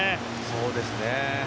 そうですね。